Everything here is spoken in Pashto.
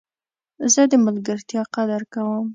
زه د ملګرتیا قدر کوم.